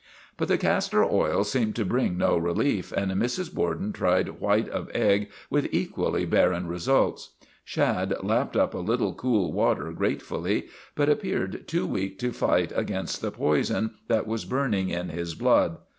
But the castor oil seemed to bring no relief, and Mrs. Borden tried white of egg with equally barren results. Shad lapped up a little cool water grate fully, but appeared too weak to fight against the poison that was burning in his blood.